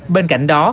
bên cạnh đó